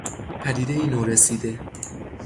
پدیدهای نورسیده